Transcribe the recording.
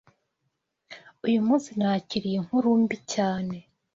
Uyu munsi nakiriye inkuru mbi cyane.